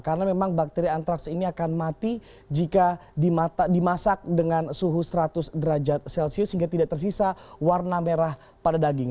karena memang bakteri antraks ini akan mati jika dimasak dengan suhu seratus derajat celcius sehingga tidak tersisa warna merah pada daging